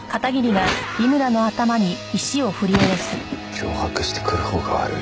脅迫してくるほうが悪い。